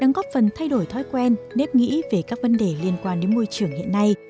đang góp phần thay đổi thói quen nếp nghĩ về các vấn đề liên quan đến môi trường hiện nay